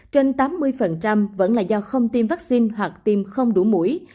trên tám mươi vẫn là do không tiêm vaccine hoặc tiêm không đủ mũi